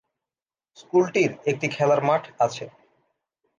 স্কুলটির একটি খেলার মাঠ আছে।